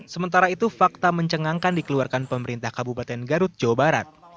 sementara itu fakta mencengangkan dikeluarkan pemerintah kabupaten garut jawa barat